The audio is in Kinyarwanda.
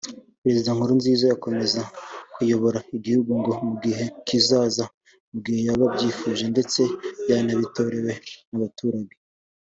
Perezida Nkurunziza yazakomeza kuyobora igihugu no mu gihe kizaza mu gihe yaba abyifuje ndetse yanabitorewe n’abaturage